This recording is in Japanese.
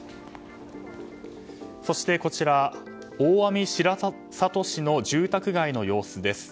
そして、こちらは大網白里市の住宅街の様子です。